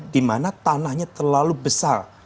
dimana tanahnya terlalu besar